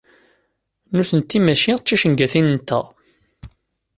Nutenti mačči d ticengatin-nteɣ.